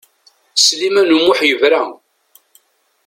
Sliman U Muḥ yebra.